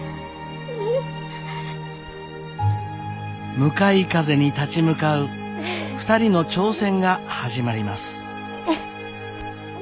向かい風に立ち向かう２人の挑戦が始まります。